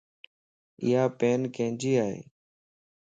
ايا پين ڪينجي ائي